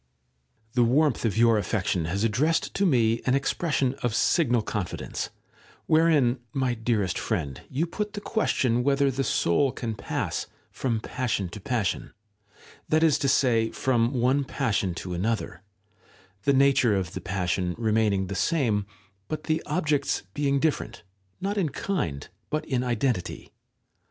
§ 1. The warmth of your affection has addressed to me an expression of signal confidence, wherein, my dearest friend, you put the question whether the soul can pass from passion to passion ; that is to say, from one passion to another, the nature of the passion remaining the same, but the objects being different, not in kind, but in identity.